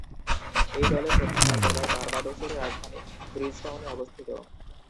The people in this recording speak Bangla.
এই দলের প্রধান কার্যালয় বার্বাডোসের রাজধানী ব্রিজটাউনে অবস্থিত।